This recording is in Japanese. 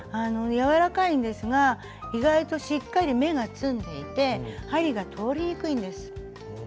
柔らかいんですが意外としっかり目がつんでいて針が通りにくいんです。